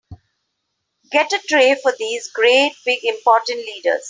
Get a tray for these great big important leaders.